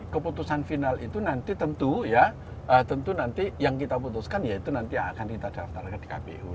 keputusan final itu nanti tentu ya tentu nanti yang kita putuskan ya itu nanti akan kita daftarkan di kpu